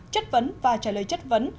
chất vấn và trả lời chất vấn